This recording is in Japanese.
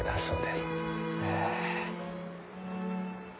へえ。